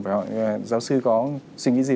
và giáo sư có suy nghĩ gì